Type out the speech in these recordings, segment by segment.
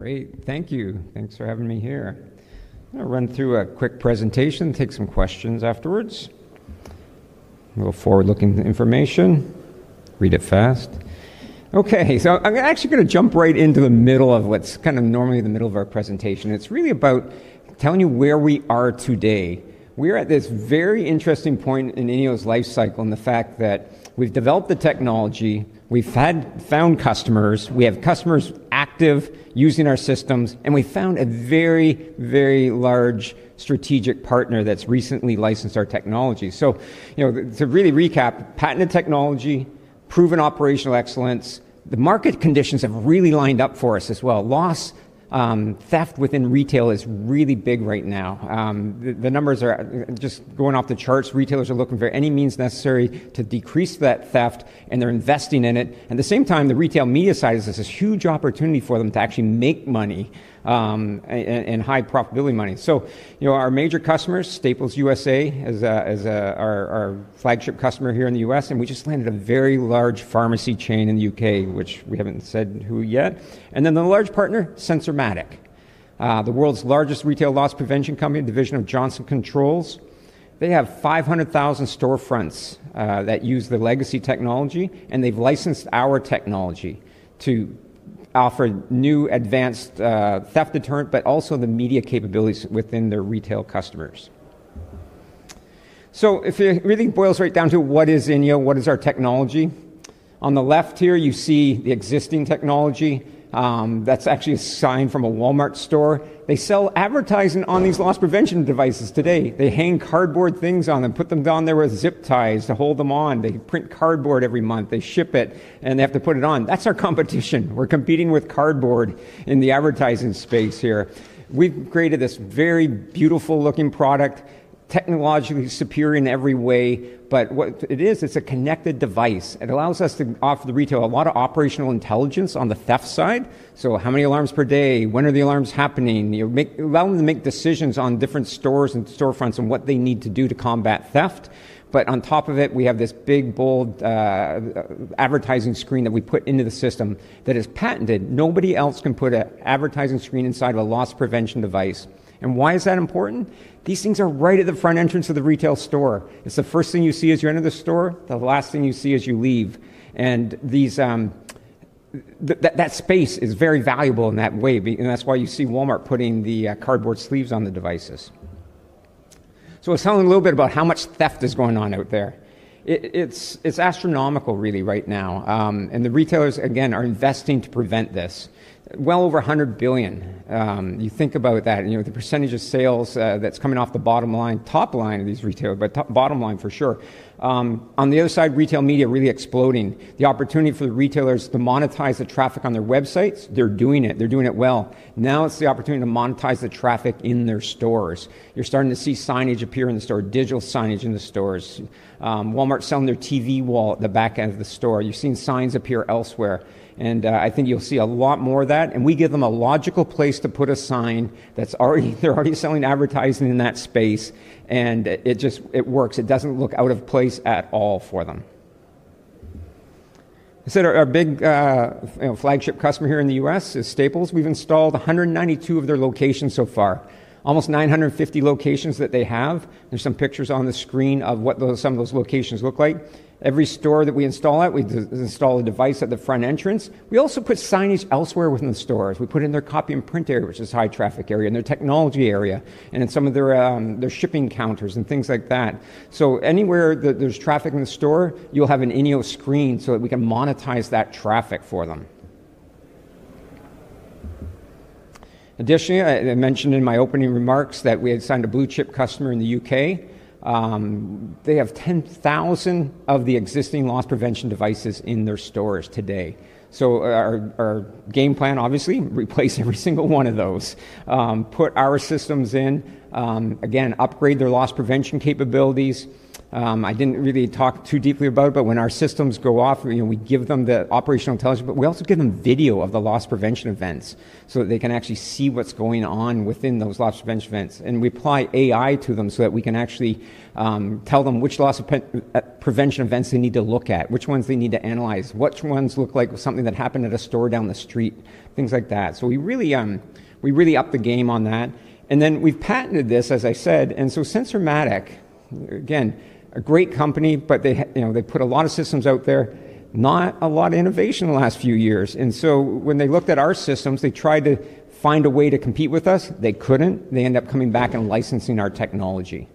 Great. Thank you. Thanks for having me here. I'm going to run through a quick presentation, take some questions afterwards. A little forward-looking information. Read it fast. OK. I'm actually going to jump right into the middle of what's kind of normally the middle of our presentation. It's really about telling you where we are today. We're at this very interesting point in INEO's lifecycle in the fact that we've developed the technology, we've found customers, we have customers active using our systems, and we found a very, very large strategic partner that's recently licensed our technology. To really recap, patented technology, proven operational excellence. The market conditions have really lined up for us as well. Loss theft within retail is really big right now. The numbers are just going off the charts. Retailers are looking for any means necessary to decrease that theft, and they're investing in it. At the same time, the retail media side has this huge opportunity for them to actually make money and high profitability money. Our major customers, Staples U.S., is our flagship customer here in the U.S. We just landed a very large pharmacy chain in the U.K., which we haven't said who yet. The large partner, Sensormatic, the world's largest retail loss prevention company, a division of Johnson Controls. They have 500,000 storefronts that use the legacy technology, and they've licensed our technology to offer new advanced theft deterrence, but also the media capabilities within their retail customers. If it really boils right down to what is INEO, what is our technology? On the left here, you see the existing technology. That's actually a sign from a Walmart store. They sell advertising on these loss prevention devices today. They hang cardboard things on them, put them down there with zip ties to hold them on. They print cardboard every month. They ship it, and they have to put it on. That's our competition. We're competing with cardboard in the advertising space here. We've created this very beautiful-looking product, technologically superior in every way. What it is, it's a connected device. It allows us to offer the retail a lot of operational intelligence on the theft side. How many alarms per day? When are the alarms happening? Allow them to make decisions on different stores and storefronts and what they need to do to combat theft. On top of it, we have this big, bold advertising screen that we put into the system that is patented. Nobody else can put an advertising screen inside of a loss prevention device. Why is that important? These things are right at the front entrance of the retail store. It's the first thing you see as you enter the store, the last thing you see as you leave. That space is very valuable in that way. That's why you see Walmart putting the cardboard sleeves on the devices. So tell me a little bit about how much theft is going on out there. It's astronomical, really, right now. The retailers, again, are investing to prevent this. Well over $100 billion. You think about that, the percentage of sales that's coming off the bottom line, top line of these retailers, but bottom line for sure. On the other side, retail media really exploding. The opportunity for the retailers to monetize the traffic on their websites, they're doing it. They're doing it well. Now it's the opportunity to monetize the traffic in their stores. You're starting to see signage appear in the store, digital signage in the stores. Walmart's selling their TV wall at the back end of the store. You're seeing signs appear elsewhere. I think you'll see a lot more of that. We give them a logical place to put a sign. They're already selling advertising in that space, and it just works. It doesn't look out of place at all for them. I said our big flagship customer here in the U.S. is Staples. We've installed 192 of their locations so far, almost 950 locations that they have. There are some pictures on the screen of what some of those locations look like. Every store that we install at, we install a device at the front entrance. We also put signage elsewhere within the stores. We put it in their copy and print area, which is a high traffic area, in their technology area, and in some of their shipping counters and things like that. Anywhere that there's traffic in the store, you'll have an INEO screen so that we can monetize that traffic for them. Additionally, I mentioned in my opening remarks that we had signed a blue chip customer in the U.K. They have 10,000 of the existing loss prevention devices in their stores today. Our game plan, obviously, replace every single one of those, put our systems in, again, upgrade their loss prevention capabilities. I didn't really talk too deeply about it, but when our systems go off, we give them the operational intelligence. We also give them video of the loss prevention events so that they can actually see what's going on within those loss prevention events. We apply AI to them so that we can actually tell them which loss prevention events they need to look at, which ones they need to analyze, which ones look like something that happened at a store down the street, things like that. We really upped the game on that. We have patented this, as I said. Sensormatic, again, a great company, but they put a lot of systems out there, not a lot of innovation in the last few years. When they looked at our systems, they tried to find a way to compete with us. They couldn't. They ended up coming back and licensing our technology.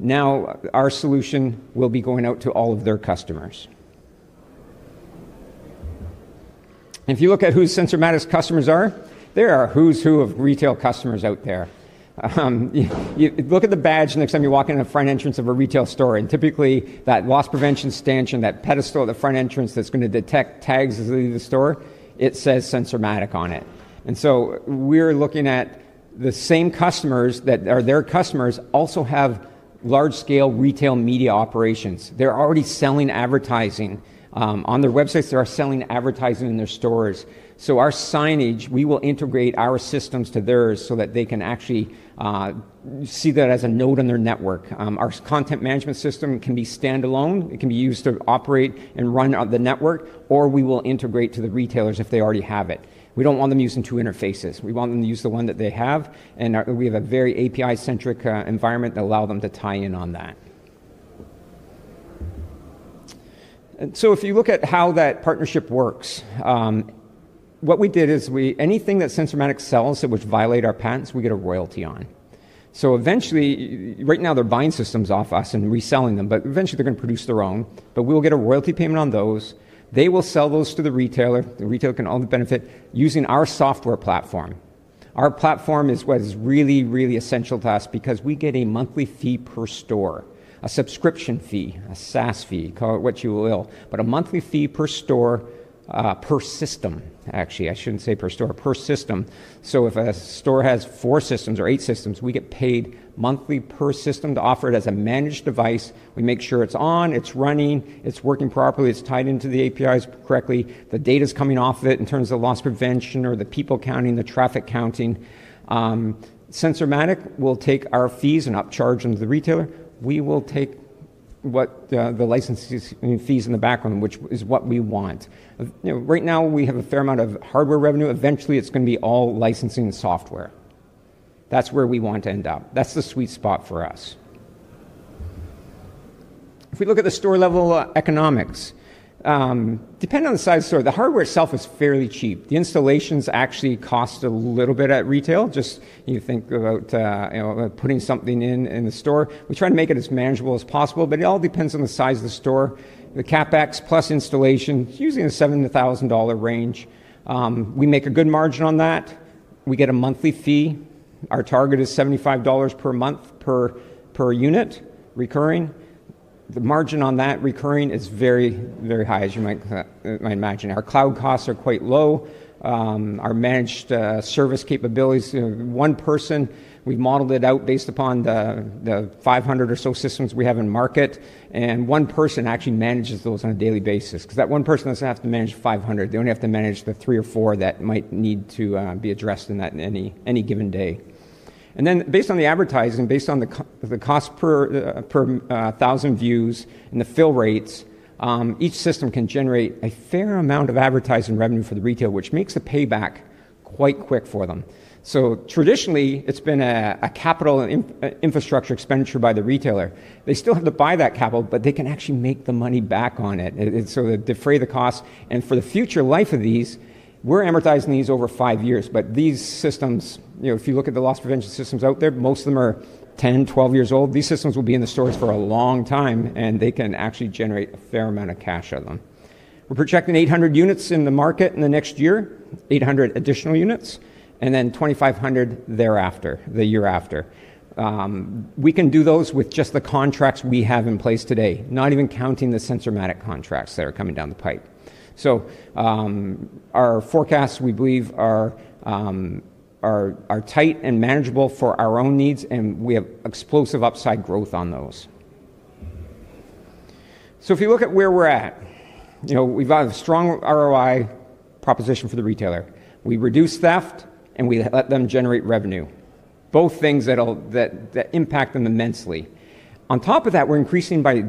Now our solution will be going out to all of their customers. If you look at who Sensormatic's customers are, there are who's who of retail customers out there. Look at the badge the next time you walk in the front entrance of a retail store. Typically, that loss prevention stance or that pedestal at the front entrance that's going to detect tags as they leave the store, it says Sensormatic on it. We are looking at the same customers. Their customers also have large-scale retail media operations. They're already selling advertising on their websites. They are selling advertising in their stores. Our signage, we will integrate our systems to theirs so that they can actually see that as a node on their network. Our content management system can be standalone. It can be used to operate and run the network. We will integrate to the retailers if they already have it. We don't want them using two interfaces. We want them to use the one that they have. We have a very API-centric environment that allows them to tie in on that. If you look at how that partnership works, what we did is anything that Sensormatic sells that would violate our patents, we get a royalty on. Eventually, right now, they're buying systems off us and reselling them. Eventually, they're going to produce their own. We'll get a royalty payment on those. They will sell those to the retailer. The retailer can all benefit using our software platform. Our platform is what is really, really essential to us because we get a monthly fee per store, a subscription fee, a SaaS fee, call it what you will. A monthly fee per store, per system, actually. I shouldn't say per store, per system. If a store has four systems or eight systems, we get paid monthly per system to offer it as a managed device. We make sure it's on, it's running, it's working properly, it's tied into the APIs correctly, the data is coming off of it in terms of loss prevention or the people counting, the traffic counting. Sensormatic will take our fees and upcharge them to the retailer. We will take the licensing fees in the background, which is what we want. Right now, we have a fair amount of hardware revenue. Eventually, it's going to be all licensing and software. That's where we want to end up. That's the sweet spot for us. If we look at the store-level economics, depending on the size of the store, the hardware itself is fairly cheap. The installations actually cost a little bit at retail. You think about putting something in the store. We try to make it as manageable as possible. It all depends on the size of the store. The CapEx plus installation is usually in the $7,000 range. We make a good margin on that. We get a monthly fee. Our target is $75 per month per unit recurring. The margin on that recurring is very, very high, as you might imagine. Our cloud costs are quite low. Our managed service capabilities, one person, we've modeled it out based upon the 500 or so systems we have in market. One person actually manages those on a daily basis because that one person doesn't have to manage 500. They only have to manage the three or four that might need to be addressed in any given day. Based on the advertising, based on the cost per 1,000 views and the fill rates, each system can generate a fair amount of advertising revenue for the retailer, which makes a payback quite quick for them. Traditionally, it's been a capital infrastructure expenditure by the retailer. They still have to buy that capital, but they can actually make the money back on it so that they defray the cost. For the future life of these, we're amortizing these over five years. These systems, if you look at the loss prevention systems out there, most of them are 10, 12 years old. These systems will be in the stores for a long time. They can actually generate a fair amount of cash out of them. We're projecting 800 units in the market in the next year, 800 additional units, and then 2,500 thereafter, the year after. We can do those with just the contracts we have in place today, not even counting the Sensormatic contracts that are coming down the pipe. Our forecasts, we believe, are tight and manageable for our own needs. We have explosive upside growth on those. If you look at where we're at, we've got a strong ROI proposition for the retailer. We reduce theft, and we let them generate revenue, both things that impact them immensely. On top of that, we're increasing by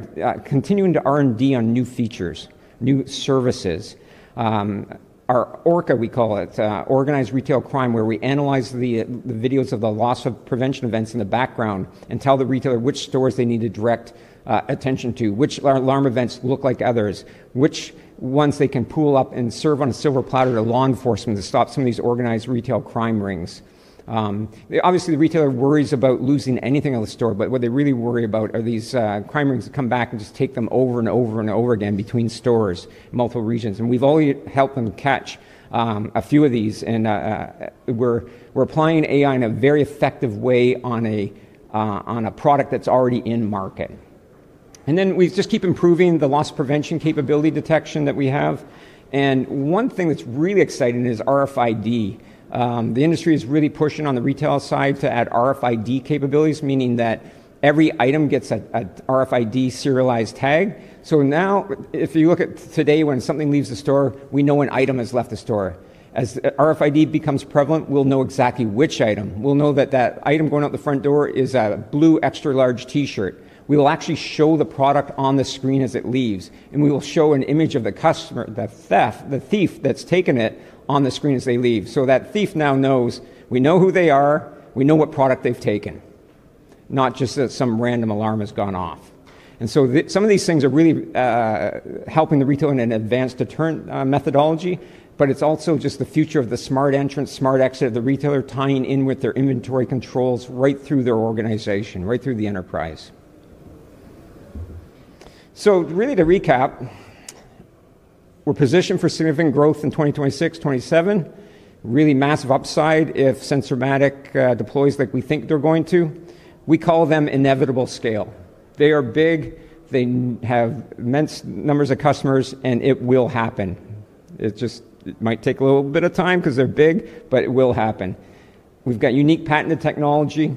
continuing to R&D on new features, new services. Our ORCA, we call it, Organized Retail Crime, where we analyze the videos of the loss prevention events in the background and tell the retailer which stores they need to direct attention to, which alarm events look like others, which ones they can pull up and serve on a silver platter to law enforcement to stop some of these organized retail crime rings. Obviously, the retailer worries about losing anything in the store. What they really worry about are these crime rings that come back and just take them over and over and over again between stores, multiple regions. We've already helped them catch a few of these. We're applying AI in a very effective way on a product that's already in market. We just keep improving the loss prevention capability detection that we have. One thing that's really exciting is RFID. The industry is really pushing on the retail side to add RFID capabilities, meaning that every item gets an RFID serialized tag. If you look at today when something leaves the store, we know an item has left the store. As RFID becomes prevalent, we'll know exactly which item. We'll know that that item going out the front door is a blue extra-large T-shirt. We will actually show the product on the screen as it leaves. We will show an image of the customer, the theft, the thief that's taken it on the screen as they leave. That thief now knows we know who they are. We know what product they've taken, not just that some random alarm has gone off. Some of these things are really helping the retailer in an advanced deterrent methodology. It's also just the future of the smart entrance, smart exit of the retailer tying in with their inventory controls right through their organization, right through the enterprise. To recap, we're positioned for significant growth in 2026, 2027, really massive upside if Sensormatic deploys like we think they're going to. We call them inevitable scale. They are big. They have immense numbers of customers. It will happen. It just might take a little bit of time because they're big. But it will happen. We've got unique patented technology.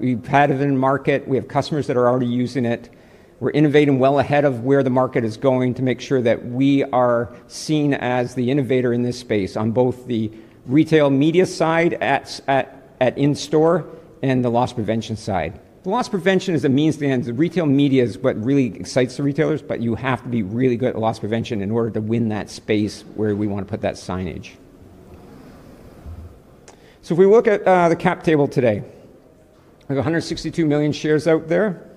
We've had it in market. We have customers that are already using it. We're innovating well ahead of where the market is going to make sure that we are seen as the innovator in this space on both the retail media side at in-store and the loss prevention side. Loss prevention is a means to an end. The retail media is what really excites the retailers. You have to be really good at loss prevention in order to win that space where we want to put that signage. If we look at the cap table today, we have 162 million shares out there.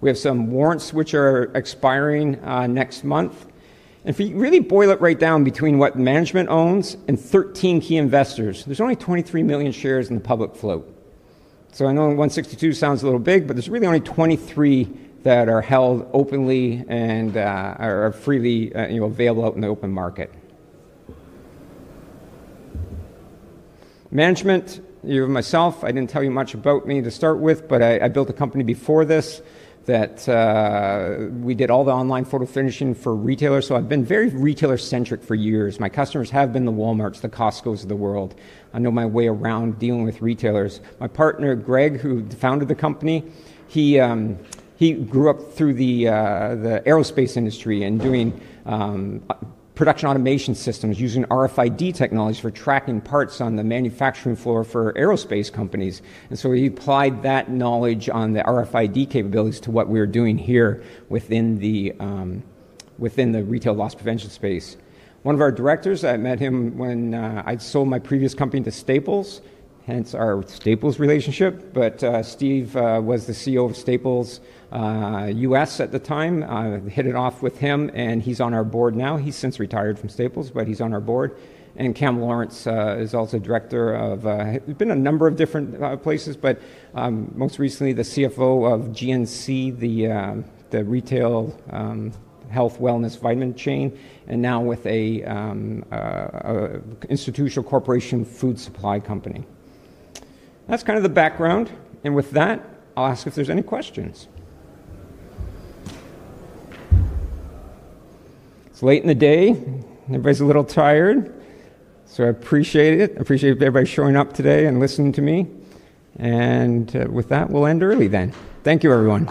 We have some warrants which are expiring next month. If you really boil it right down between what management owns and 13 key investors, there's only 23 million shares in the public float. I know 162 million shares sounds a little big, but there's really only 23 million shares that are held openly and are freely available out in the open market. Management, you have myself. I didn't tell you much about me to start with, but I built a company before this that we did all the online photo finishing for retailers. I've been very retailer-centric for years. My customers have been the Walmarts, the Costcos of the world. I know my way around dealing with retailers. My partner, Greg, who founded the company, he grew up through the aerospace industry and doing production automation systems using RFID technologies for tracking parts on the manufacturing floor for aerospace companies. He applied that knowledge on the RFID capabilities to what we're doing here within the retail loss prevention space. One of our directors, I met him when I sold my previous company to Staples, hence our Staples relationship. Steve was the CEO of Staples U.S. at the time. I hit it off with him, and he's on our board now. He's since retired from Staples, but he's on our board. Cam Lawrence is also director of, he's been in a number of different places, but most recently the CFO of GNC, the retail health wellness vitamin chain, and now with an institutional corporation food supply company. That's kind of the background. With that, I'll ask if there's any questions. It's late in the day. Everybody's a little tired. I appreciate it. I appreciate everybody showing up today and listening to me. With that, we'll end early then. Thank you, everyone.